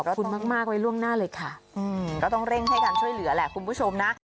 ขอบคุณมากไว้ล่วงหน้าเลยค่ะก็ต้องเร่งให้การช่วยเหลือแหละคุณผู้ชมนะ